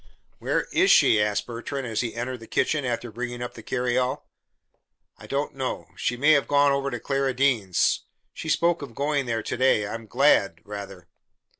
"Where is she?" asked Bertrand, as he entered the kitchen after bringing up the carryall. "I don't know. She may have gone over to Clara Dean's. She spoke of going there to day. I'm glad rather."